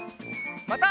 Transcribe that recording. また。